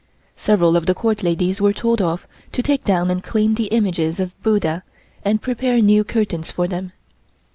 Several of the Court ladies were told off to take down and clean the images of Buddha and prepare new curtains for them.